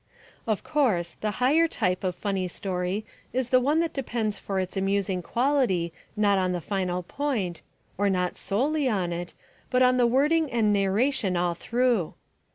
Of course the higher type of funny story is the one that depends for its amusing quality not on the final point, or not solely on it, but on the wording and the narration all through.